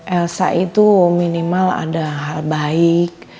elsa itu minimal ada hal baik